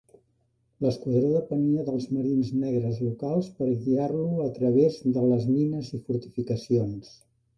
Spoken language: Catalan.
L'esquadró depenia dels marins negres locals per guiar-lo a través de les mines i fortificacions.